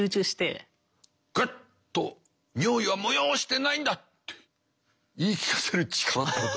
グッと尿意は催してないんだって言い聞かせる力ってこと。